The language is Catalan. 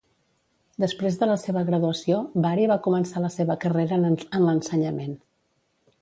Després de la seva graduació, Bari va començar la seva carrera en l'ensenyament.